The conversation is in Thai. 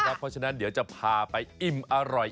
เพราะฉะนั้นเดี๋ยวจะพาไปอิ่มอร่อย